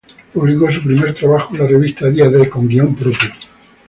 Publicó su primer trabajo en la revista "Día D", con guion propio.